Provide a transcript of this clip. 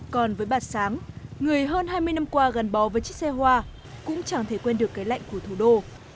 còn với bạt sáng người hơn hai mươi năm qua gần bò với chiếc xe hoa cũng chẳng thể quên được cái lạnh của thủ đô